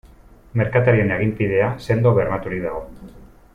Merkatarien aginpidea sendo bermaturik dago.